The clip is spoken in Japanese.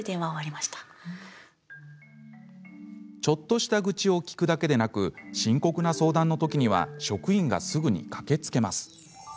ちょっとした愚痴を聞くだけでなく深刻な相談のときには職員がすぐに駆けつけます。